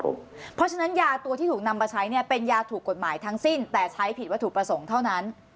เพราะฉะนั้นยาตัวที่ถูกนำมาใช้เนี่ยเป็นยาถูกกฎหมายทั้งสิ้นแต่ใช้ผิดวัตถุประสงค์เท่านั้น